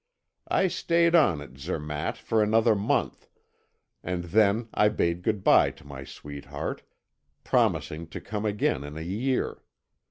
I stayed on at Zermatt for another month, and then I bade good bye to my sweetheart, promising to come again in a year.